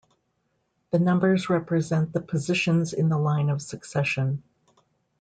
The numbers represent the positions in the line of succession.